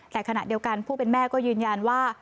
แต่ขณะเดียวกันผู้เป็นแม่ก็ยืนยันว่า